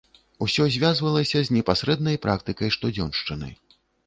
Усё звязвалася з непасрэднай практыкай штодзёншчыны.